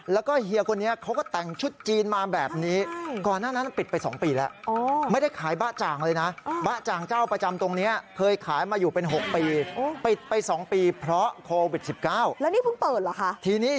แล้วก็เหย์คนนี้เขาก็แต่งชุดจีนมาแบบนี้นะคุณฮะขออนุญาณหน้าตอนนี้